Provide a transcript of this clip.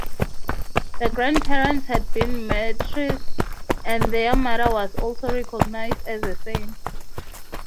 The grandparents had been martyrs, and their mother was also recognized as a saint.